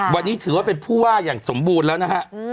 วันนี้ถือว่าเป็นผู้ว่าอย่างสมบูรณ์แล้วนะฮะ